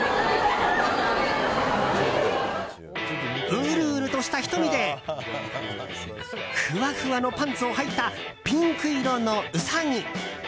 うるうるとした瞳でふわふわのパンツをはいたピンク色のウサギ！